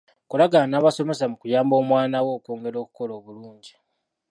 Kolagana n'abasomesa mu kuyamba omwana wo okwongera okukola obulungi.